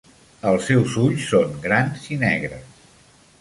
Els seus ulls són grans i negres.